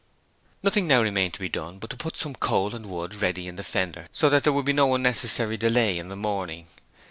Nothing now remained to be done but to put some coal and wood ready in the fender so that there would be no unnecessary delay in the morning.